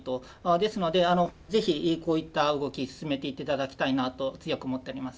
ですので是非こういった動き進めていっていただきたいなと強く思っております。